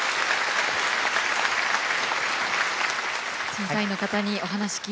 審査員の方にお話聞いてみましょう。